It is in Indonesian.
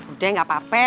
udah gak apa apa